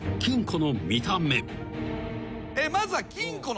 まずは。